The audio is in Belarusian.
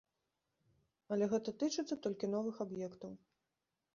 Але гэта тычыцца толькі новых аб'ектаў.